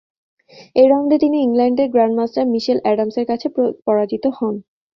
এই রাউন্ডে তিনি ইংল্যান্ডের গ্রান্ড মাস্টার "মিশেল অ্যাডামসের" কাছে পরাজিত হন।